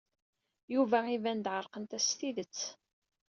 Yuba iban-d ɛerqent-as s tidet.